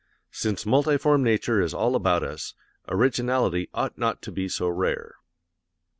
Since multiform nature is all about us, originality ought not to be so rare."